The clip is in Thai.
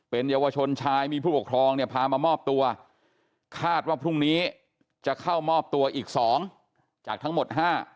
เป็นเยาวชนชายมีผู้ปกครองเนี่ยพามามอบตัวคาดว่าพรุ่งนี้จะเข้ามอบตัวอีก๒จากทั้งหมด๕